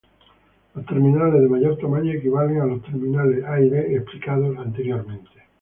Los terminales de mayor tamaño equivalen a los terminales A y B explicados anteriormente.